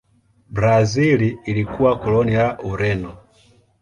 Brazil ilikuwa koloni la Ureno.